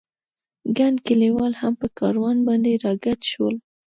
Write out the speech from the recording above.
ګڼ کلیوال هم په کاروان باندې را ګډ شول.